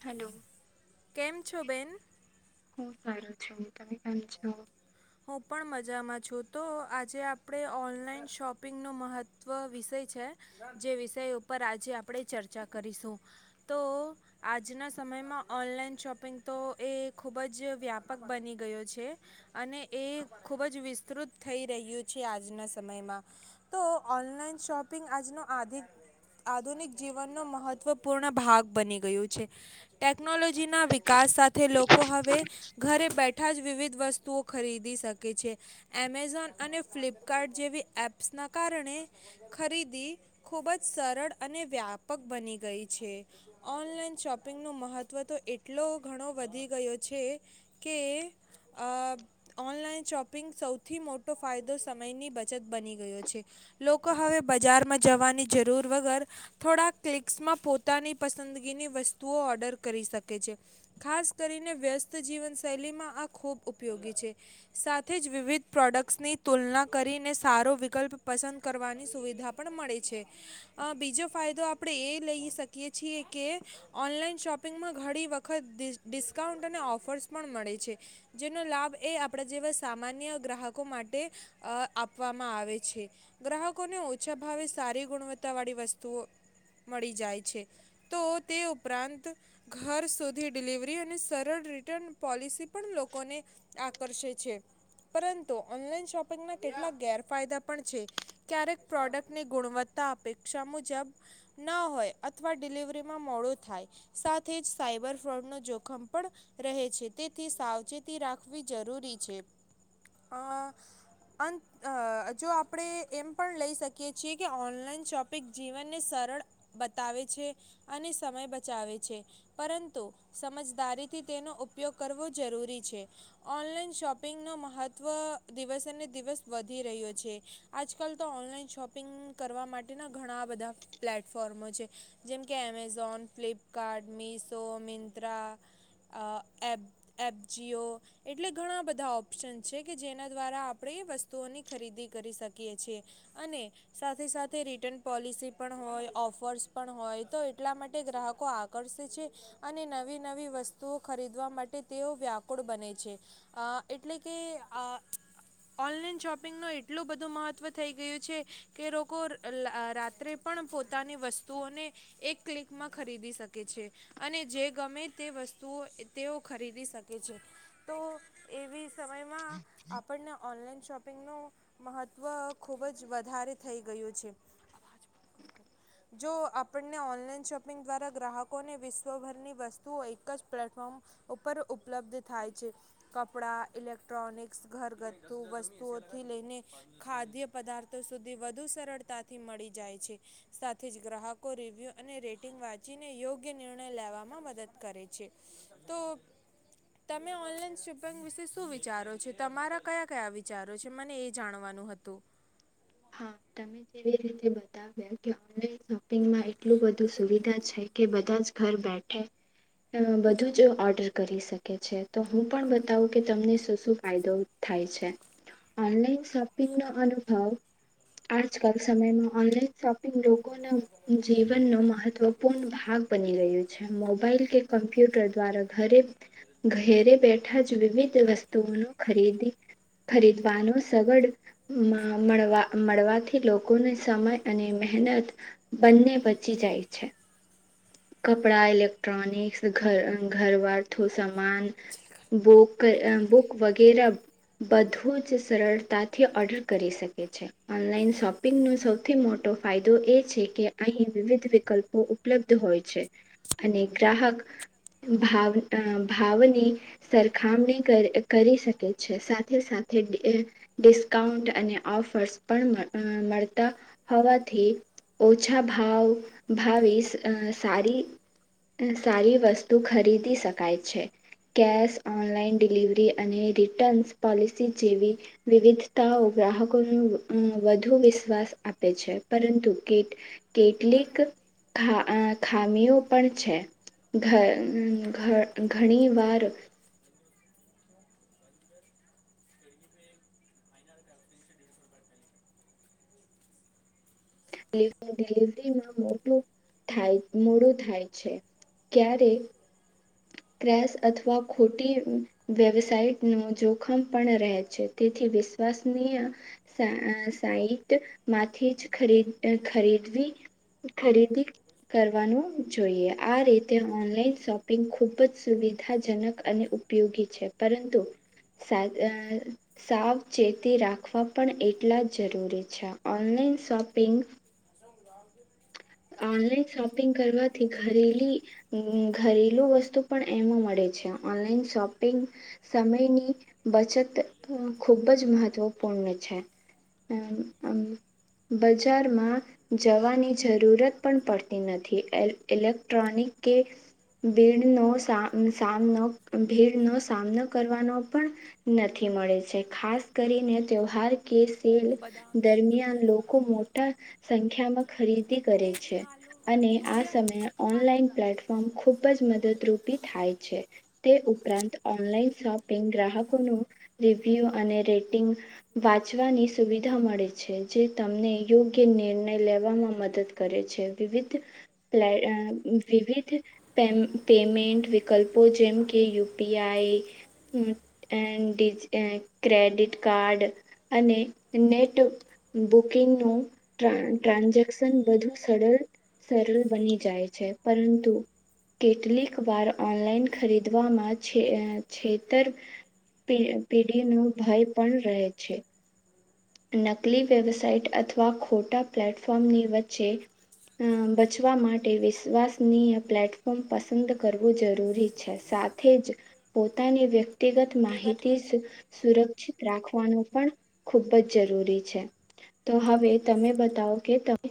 Hello. કેમ છો બેન હું સારું છું. તમે કેમ છો? હું પણ મજામાં છું. તો આજે આપણે ઓનલાઈન શોપિંગનો મહત્ત્વ વિષય છે. જે વિષય ઉપર આજે આપણે ચર્ચા કરીશું. તો આજના સમયમાં ઓનલાઈન શોપિંગ તો એ એક ખૂબ જ વ્યાપક બની ગયો છે. અને એ ખૂબ જ વિસ્તૃત થઈ રહ્યું છે આજના સમયમાં. તો ઓનલાઈન શોપિંગ આજનો આધિક આધુનિક જીવનનો મહત્ત્વપૂર્ણ ભાગ બની ગયું છે. ટેકનોલોજીના કાસ સાથે લોકો હવે ઘરે બેઠ ઠાજ વિવિધ વસ્તુઓ ખરીદી શકે છે. એમેઝોન અને ફ્લિપકાર્ટ જેવી એપ્સના કારણે ખરીદી ખૂબ જ સરળ અને વ્યાપક બની ગઈ છે. ઓનલાઈન શોપિંગનું મહત્ત્વ તો એટલો ઘણો વધી ગયો છે કે અહ ઓનલાઈન શોપિંગ સૌથી મોટો ફાયદો સમયની બચત બની ગયો છે. લોકો હવે બજારમાં જવાની જરૂર વગર થોડાક ક્લિક્સમાં પોતાની પસંદગીની વસ્તુઓ ઓર્ડર કરી શકે છે. ખાસ કરીને વ્યસ્ત જીવનશૈલીમાં આ ખૂબ ઉપયોગી છે. છે સાથે જ વિવિધ પ્રોડક્ટ્સની તુલના કરીને સારો વિકલ્પ પસંદ કરવાની સુવિધા પણ મળે છે. અહ બીજો ફાયદો આપણે એ લઈ શકીએ છીએ કે ઓનલાઈન શોપિંગમાં ઘણી વખત ડિસ ડિસ્કાઉન્ટ અને ઓફર્સ પણ મળે છે. જેનો લાભ એ આપણા જેવા સામાન્ય ગ્રાહકો માટે અહ આપવામાં આવે છે. ગ્રાહકોને ઓછા ભાવે સારી ગુણવત્તાવાળી વસ્તુઓ મળી જાય છે. તો તે ઉપરાંત ઘર સુધી ડિલિવરી અને સરળ રિટર્ન પોલિસી પણ લોકોને આકર્ષે છે. પરંતુ ઓનલાઈન શોપિંગના કેટલાક ગેરફાયદા પણ છે. ક્યારેક પ્રોડક્ટની ગુણવત્તા અપેક્ષા મુજબ ના હોય અથવા ડિલિવરીમાં મોડું થાય, સાથે જ સાયબર ફ્રોડ નો જોખમ પણ રહે છે. તેથી સાવચેતી રાખ વી જરૂરી છે. અહ અન અહ જો આપણે એમ પણ લઈ શકીએ છીએ કે ઓનલાઈન શોપિંગ જીવનને સરળ બતાવે છે અને સમય બચાવે છે, પરંતુ સમજદારીથી તેનો ઉપયોગ કરવો જરૂરી છે. ઓનલાઈન શોપિંગનું મહત્ત્વ દિવસેને દિવસ વધી રહ્યો છે. આજકાલ તો ઓનલાઈન શોપિંગ કરવા માટેના ઘણા બધા પ્લેટફોર્મો છે. જેમકે Amazon, Flipkart, Meesho, Myntra, app app જી ઓ એટલે ઘણા બધા ઓપ્શન્સ છે કે જેના દ્વારા આપણે એ વસ્તુઓની ખરીદી કરી શકીએ છીએ. અને સાથે સાથે રિટર્ન પોલિસી પણ હોય ઓફર્સ પણ હોય તો એટલા માટે ગ્રાહકો આકર્ષે છે અને નવી નવી વસ્તુઓ ખરીદવા માટે તેઓ વ્યાકુળ બને છે. આહ એટલે કે અહ ઓનલાઈન શોપિંગ નો એટલું બધું મહત્વ થઈ ગયું છે કે લોકો લા રાત્રે પણ પોતાની વસ્તુઓને એક ક્લિકમાં ખરીદી શકે છે અને જે ગમે તે વસ્તુઓ તેઓ ખરીદી શકે છે. તો એવી સમયમાં આપણને ઓનલાઈન શોપ પિંગ નું મહત્વ ખુબ જ વધારે થઈ ગયું છે. જો આપણને ઓનલાઈન શોપિંગ દ્વારા ગ્રાહકોને વિશ્વભરની વસ્તુઓ એક જ પ્લેટફોર્મ ઉપર ઉપલબ્ધ થાય છે. કપડા ઇલેક્ટ્રોનિકસ ઘરગથ્થુ વસ્તુઓથી લઈને ખાદ્ય પદાર્થો સુધી વધુ સરળતાથી મળી જાય છે. સાથે જ ગ્રાહકો રિવ્યુ અને રેટિંગ વાંચીને યોગ્ય નિર્ણય લેવામાં મદદ કરે છે. તો ત મે ઓનલાઈન શોપિંગ વિશે શું વિચારો છો? તમારા કયા કયા વિચારો છે, મને એ જાણવાનું હતું. હા તમે જેવી રીતે બતાવ્યા કે ઓનલાઇન શો પિંગમાં એટલું બધું સુવિધા છે કે બધા જ ઘર બેઠે અહ તું બધું જાવ જ ઓર્ડર કરી શક કે છે. તો હું પણ બતાવું કે તમને શું શું ફાયદો થાય છે. ઓનલાઈન શોપિંગ નો અનુભવ આજકાલ સમયમાં ઓનલાઈન શોપિંગ લોકોના જીવનનો મહત્વપૂર્ણ ભાગ બની રહ્યું છે. મોબાઈલ કે કમ્પ્યુટર દ્વારા ઘરે ઘેરે બેઠા જ વિવિધ વસ્તુઓનો ખરીદી ખરીદવાનો સગડ માં-મળવા મળવાથી લોકોને સમય અને મહેનત બંને બચી જાય છે. કપડા, ઇલેક્ટ્રોનિક્સ, ઘર ઘ ઘરવધતું સામાન બોક એમ બુક વગેરે બધું જ સરળતાથી ઓર્ડર કરી શકે છે. ઓનલાઈન શોપિંગનો સૌથી મોટો ફાયદો એ છે કે અહીં વિવિધ વિકલ્પો ઉપલબ્ધ હોય છે. અને ગ્રાહક ભાવ અહ ભાવની સરખામણી કરે કરી શકે છે. સાથે સાથે ડિ અહ ડિસ્કાઉન્ટ અને ઓફર્સ પણ અહ મળતા હોવાથી ઓછા ભાવ ભાવીસ અહ સારી સારી વસ્તુ ખરીદી શકાય છે. કેશ ઓનલાઈન ડિલિવરી અને રિટર્નસ પોલિસી જેવી વિવિધતાઓ ગ્રાહકો નું અહ વધુ વિશ્વાસ આપે છે. પરંતુ કીટ કેટલીક ખા અ ખામીઓ પણ છે ધ ધ ઘણી વાર ડિલિવરીમાં મોટું થાય મોડું થાય છે ક્યારે ક્રસ અથવા ખોટી વેવસાઇટ ન જોખમ પણ રહે છે તેથી વિશ્વાસનીય સા સાઈટમાંથી જ ખરીદ ખરીદવી ખરીદી કરવાનું જોઈએ આ રીતે ઓનલાઈન શોપ પિંગ ખૂબ જ સુવિધાજનક અને ઉપયોગી છે પરંતુ સગ સાવચેતી રાખવા પણ એટલા જરૂરી છે ઓનલાઈન શોપિંગ ઓનલાઈન શોપિંગ કરવાથી ઘરેલી ઘરેલુ વસ્તુ પણ એમાં મળે છે. ઓનલાઈન શોપિંગ સમયની બચત ખૂબ જ મહત્વપૂર્ણ છે. અ અમ બજારમાં જવાની જરૂરત પણ પડતી નથી. એલ ઇલેક્ટ્રોનિક કે ભીડનો સામનો ભીડનો સામનો કરવાનો પણ નથી મળે છે ખાસ કરીને તેહવાર કે તેલ બદામ શેક દરમિયાન લોકો મોટા સંખ્યામાં ખરીદ દી કરે નહીં છે ફાલુ અને આ ભૈયા સમયે ઓનલાઈન ફાલુદા પ્લેટફોર્મ ખુબ જ મદતરૂપી થાય છે. તે પરંતુ ઓનલાઈન શોપિંગ ગ્રાહકોનું રિવ્યુ અને રેટિંગ વાંચવાની સુવિધા મળે છે. જે તમને યોગ્ય નિર્ણય લેવામાં મ કરે છે વિવિધ પ્લે અ વિવિધ પેમ પેમેન્ટ વિકલ્પો જેમકે યુ પી આઈ અ ડિજ એ ન ક્રેડિટ કાર્ડ અને નેટ બુકિંગનું ટ્રાન્ ટ્રાન્ઝેશન પણ બધું સરલ સરળ બની જાય છે પરંતુ કેટલીક વાર ઓનલાઈન ખરીદવામાં છે છેતર પે પેઢીનો ભય પણ રહે છે. નકલી વેબસઇટ અથવા ખોટા પ્લેટફોર્મની વચ્ચે અ બચવા માટે વિશ્વાસનીય પ્લેટફોર્મ પસંદ કરવું જરૂરી છે. સાથે જ પોતાની વ્ય ક્તિગત માહિતી સુરક્ષિત રાખવાનું પણ ખુબ જ. જરૂરી છે. તો હવે તમે બતાવો કે તમે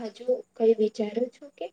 હજુ કઈ વિચારો છો કે?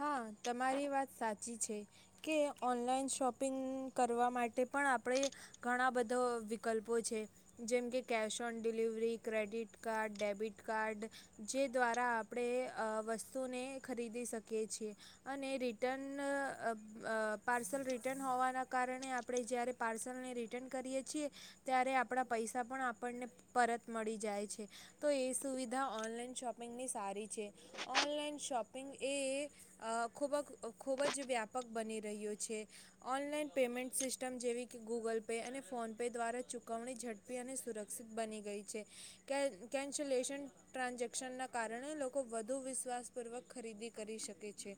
હા તમારી વાત સાચ ચી છે કે ઓનલાઈન શોપિંગ કરવા માટે પણ આપણે ઘણા બધો વિકલ્પો છે. જેમ કે cash on delivery, credit card, debit card જે દ્વારા આપણે અ વસ્તુને ખરીદી શક કીએ છીએ. અને રિટન અ અ પાર્સલ રિટર્ન હોવાના કારણે આપણે જ્યારે પાર્સલને રિટર્ન કરીએ છીએ ત્યારે આપણા પૈસા પણ આપણને પરત મળી જાય છે. તો એ સુવિધા ઓનલાઈન શોપિંગની સારી છે. ઓનલાઈન શોપિંગ એ ખૂબ ખૂબ જ વ્યાપક બની રહ્યો છે. ઓનલાઈન પેમેન્ટ સિસ્ટમ જેવી કે, ગૂગલ પે અને ફોનપે દ્વારા ચૂકવણી ઝડપી અને સુરક્ષિત બની ગઈ છે કે કેન્સલેશન ટ્રાન્ઝેક્શનના કારણે લોકો વધુ વિશ્વાસપૂર્વક ખરીદી કરી શકે છે.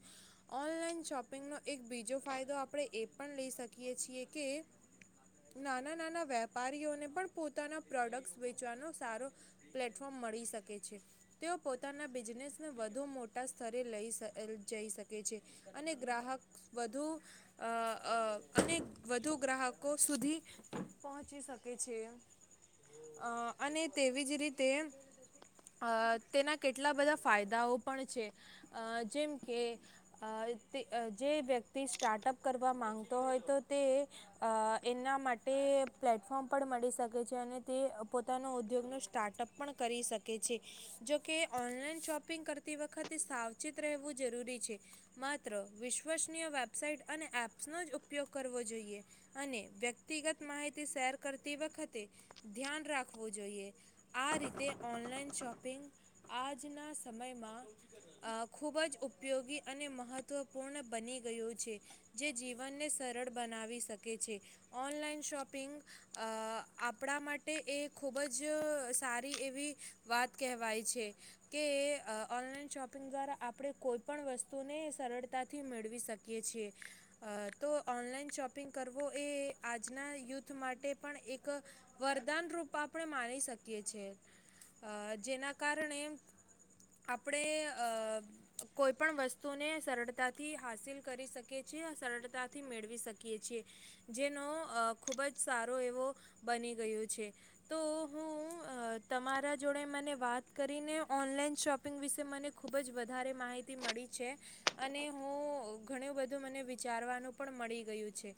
ઓનલાઈન શોપિંગનો એક બીજો ફાયદો આપણે એ પણ લઈ શકીએ છીએ કે નાના નાના વેપારીઓને પણ પોતાના પ્રોડક્ટ વેચવાનો સારો પ્લેટફોર્મ મળી શકે છે. તેઓ પોતાના બિજનેસને વધુ મોટા સ્ત લઈશ જઈ શકે છે. અને ગ્રાહક વધુ અ અ અને વધુ ગ્રાહકો સુધી પહોંચી શકે છે. અ અને તેવી જ રીતે અ તેના કેટલા બધા ફાયદાઓ પણ છે. અ જેમ કે અ તે જે વ્યક્તિ સ્ટાર્ટઅપ કરવા માંગતો હોય તો તે અ એના માટે પ્લેટફોર્મ પણ મળી શકે છે અને તે પોતાનો ઉદ્યોગનો સ્ટાર્ટઅપ પણ કરી શકે છે. જોકે ઓનલાઈન શોપિંગ કરતી વખત સાવચેત રહેવું જરૂરી છે. માત્ર વિશ્વસનીય વેબસાઇટ અને એપ્સનો જ ઉપયોગ કરવો જોઈએ. અને વ્યક્તિગત માહિતી શેર કરતી વખતે ધ્યાન રાખવું જોઈએ. આ રીતે ઓનલાઈન શોપિંગ આજના સમયમાં. અ ખૂબ જ ઉપયોગી અને મહત્ત્વપૂર્ણ બની ગયું છે. જે જીવનને સરળ બનાવી શકે છે. ઓનલાઈન શોપિંગ અ આપણા માટે એ ખૂબ જ સારી એવી વાત કહેવાય છે કે અ ઓન શોપિંગ દ્વારા આપણે કોઈ પણ વસ્તુને સરળતાથી મેળવી શકીએ છીએ. અ તો ઓનલાઈન શોપિંગ કરવું એ આજના યુથ માટે પણ એક વરદાન રૂપ આપણે માની શકીએ છે. જેના કારણે આપ આપણે અ કોઈપણ વસ્તુને સરળતાથી હાંસિલ કરી શકીએ છીએ. સરળતાથી મેળવી શકીએ છીએ. જેનો અ ખૂબ જ સારો એવો બની ગયો છે. તો હું તમારા જોડે મને વાત કરીને ઓનલાઈન શોપ પિંગ વિશે મને ખૂબ જ વધારે માહિતી મળી છે. અને હું ઘણું બધું મને વિચારવાનું પણ મળી ગયું છે.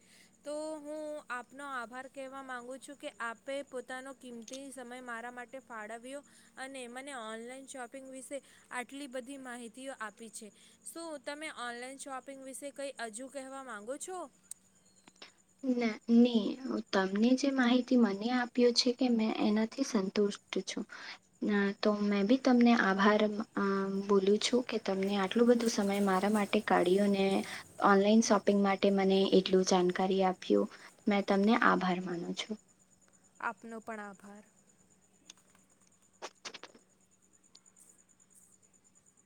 તો હું આપનો આભાર કહેવા માગું છું કે આપે પોતાનો કિંમતી સમય મારા માટે ફાળવ્યો અને મને ઓનલાઈન શોપિંગ વિશે આટલી બધી માહિતીઓ આપી છે. શું તમે ઓનલાઈન શોપિંગ વિશે કઈ હજુ કહેવા માંગો છો? ના ની તમને જે માહિતી મને આપ્યો છે કે મેં એનાથી સંતુષ્ટ છું. ના તો મેં બી તમને આભાર અ બોલું છું કે તમને આટલું બધું સમય મારા માટે કાઢ્યો ને ઓનલાઈન શોપિંગ માટે મને એટલું જાણ કરી આપ્યું. મેં તમને આભાર માનું છું. આપનો પણ આભાર.